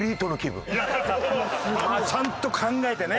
ちゃんと考えてね。